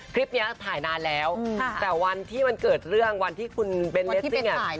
คลิปนี้ถ่ายนานแล้วแต่วันที่มันเกิดเรื่องวันที่คุณเบนเรสซิ่งอ่ะ